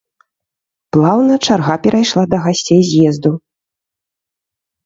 Плаўна чарга перайшла да гасцей з'езду.